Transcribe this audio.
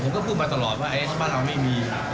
เป้าหมายที่อ่อนไหวหรือหลักบาง